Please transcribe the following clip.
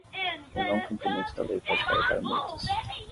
O não cumprimento da lei pode acarretar multas.